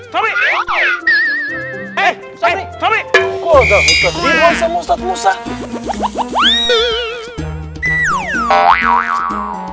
tentang kemana kalian